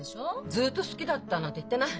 「ずっと好きだった」なんて言ってない。